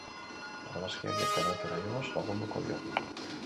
Argazkiak Internetera igoz lagunduko diogu.